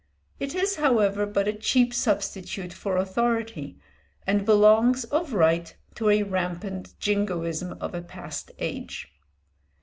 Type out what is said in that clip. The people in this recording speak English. It is however but a cheap substitute for authority, and belongs of right to a rampant jingoism of a past age.